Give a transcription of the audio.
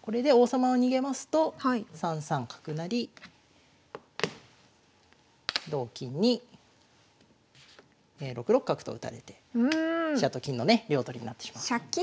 これで王様を逃げますと３三角成同金に６六角と打たれて飛車と金のね両取りになってしまうと。